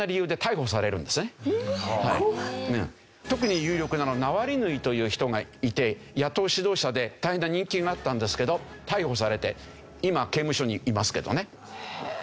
特に有力なナワリヌイという人がいて野党指導者で大変な人気があったんですけど逮捕されて今刑務所にいますけどね。